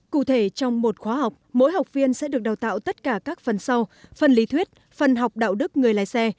cụ thể trong một khóa học mỗi học viên sẽ được đào tạo tất cả các phần sau phần lý thuyết phần học đạo đức người lái xe